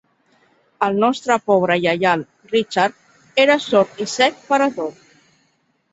El nostre pobre lleial Richard era sord i cec per a tot.